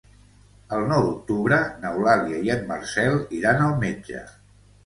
El nou d'octubre n'Eulàlia i en Marcel iran al metge.